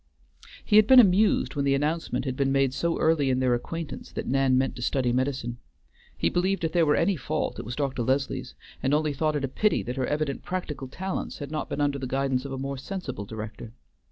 He had been amused when the announcement had been made so early in their acquaintance that Nan meant to study medicine. He believed if there were any fault, it was Dr. Leslie's, and only thought it a pity that her evident practical talents had not been under the guidance of a more sensible director.